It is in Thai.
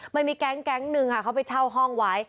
มันมีแก๊งหนึ่งค่ะเขาไปเช่าห้องไว้